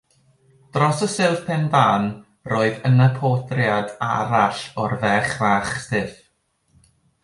Dros y silff ben tân roedd yna bortread arall o'r ferch fach stiff.